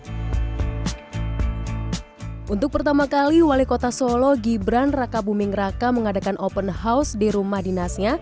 hai untuk pertama kali wali kota solo gibran raka buming raka mengadakan open house di rumah dinasnya